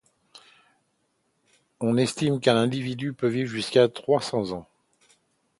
On estime qu'un individu peut vivre jusqu'à trois cents ans.